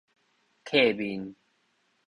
客面